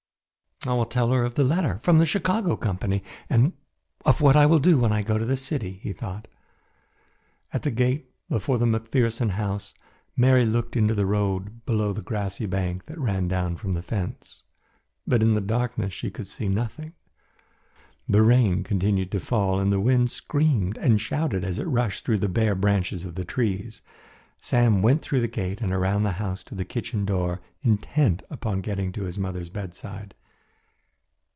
"I will tell her of the letter from the Chicago company and of what I will do when I go to the city," he thought. At the gate before the McPherson house Mary looked into the road below the grassy bank that ran down from the fence, but in the darkness she could see nothing. The rain continued to fall and the wind screamed and shouted as it rushed through the bare branches of the trees. Sam went through the gate and around the house to the kitchen door intent upon getting to his mother's bedside.